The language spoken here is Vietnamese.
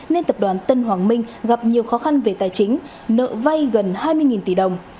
nên tập đoàn tân hoàng minh gặp nhiều khó khăn về tài chính nợ vay gần hai mươi tỷ đồng